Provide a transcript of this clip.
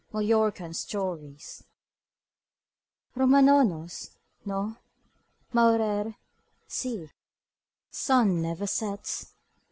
MALLORCAN STORIES Romanonos no. Maurer see. Sun never sets.